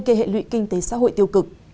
gây hệ lụy kinh tế xã hội tiêu cực